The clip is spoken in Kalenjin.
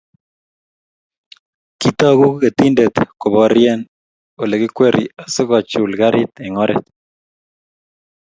Kitoku ketindet koborie Ole kikweri asikochul garit eng oret